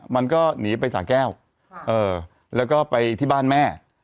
มันก็หนีไปสาแก้วแล้วก็ไปที่บ้านแม่